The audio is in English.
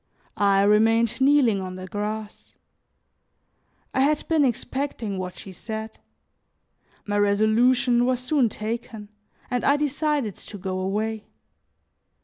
I remained kneeling on the grass. I had been expecting what she said; my resolution was soon taken, and I decided to go away.